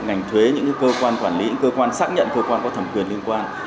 ngành thuế những cơ quan quản lý những cơ quan xác nhận cơ quan có thẩm quyền liên quan